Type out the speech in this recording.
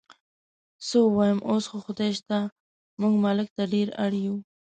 څه ووایم، اوس خو خدای شته موږ ملک ته ډېر اړ یو.